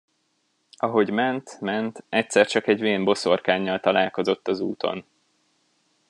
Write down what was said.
Ahogy ment, ment, egyszer csak egy vén boszorkánnyal találkozott az úton.